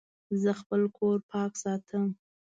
زه خپل کور پاک ساتم.